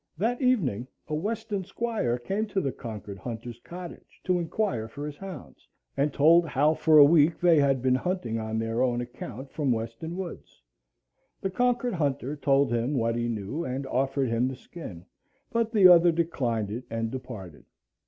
That evening a Weston Squire came to the Concord hunter's cottage to inquire for his hounds, and told how for a week they had been hunting on their own account from Weston woods. The Concord hunter told him what he knew and offered him the skin; but the other declined it and departed.